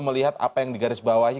melihat apa yang digarisbawahi